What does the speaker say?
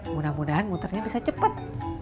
mudah mudahan muternya bisa cepat